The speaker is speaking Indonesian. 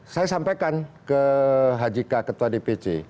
saya sampaikan ke haji k ketua dpc